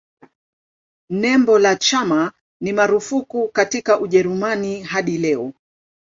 Nembo la chama ni marufuku katika Ujerumani hadi leo.